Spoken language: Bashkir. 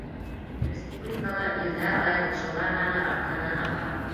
Республикала, илдә айырылышыуҙар һаны артҡандан-арта.